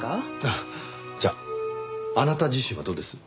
あっじゃああなた自身はどうです？